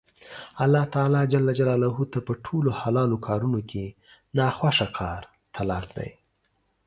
الله تعالی ته په ټولو حلالو کارونو کې نا خوښه کار طلاق دی